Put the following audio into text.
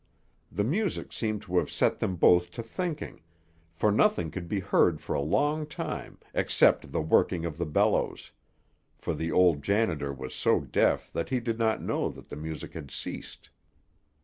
The music seemed to have set them both to thinking, for nothing could be heard for a long time except the working of the bellows; for the old janitor was so deaf that he did not know that the music had ceased.